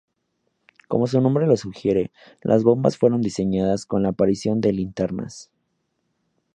Como su nombre lo sugiere, las bombas fueron diseñadas con la aparición de linternas.